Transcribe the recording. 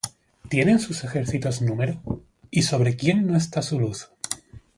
¿Tienen sus ejércitos número? ¿Y sobre quién no está su luz?